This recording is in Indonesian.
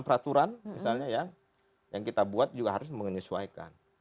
peraturan misalnya ya yang kita buat juga harus menyesuaikan